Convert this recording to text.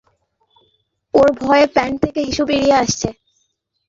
আমি তোমাদেরকে আবার জিজ্ঞাসা করছি।